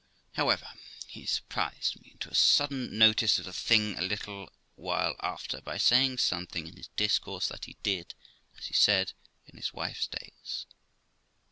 However, he surprised me into a sudden notice of the thing a little while after by saying something in his discourse that he did, as he said, in his wife's days.